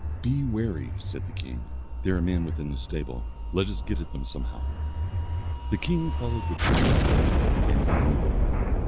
"Be wary," said the king, "there are men within the stable, let us get at them somehow." The king followed the tracks of the men, and he found them.